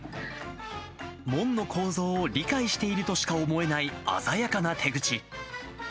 門の構造を理解しているとしか思えない鮮やかな手口。